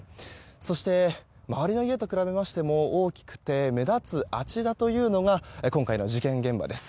そして、周りの家と比べましても大きくて目立つあちらというのが今回の事件現場です。